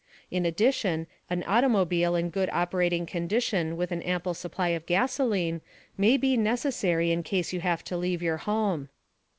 In addition, an automobile in good operating condition with an ample supply of gasoline may be necessary in case you have to leave your home.